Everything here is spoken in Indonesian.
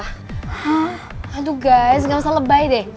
hah aduh guys gak usah lebay deh